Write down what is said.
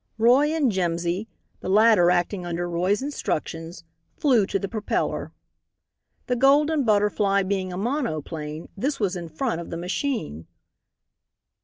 Roy and Jimsy, the latter acting under Roy's instructions, flew to the propeller. The Golden Butterfly being a monoplane, this was in front of the machine.